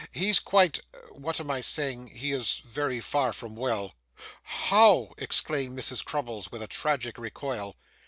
He's quite what am I saying? he is very far from well.' 'How!' exclaimed Mrs. Crummles, with a tragic recoil.